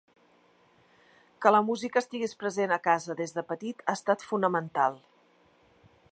Que la música estigués present a casa des de petit ha estat fonamental.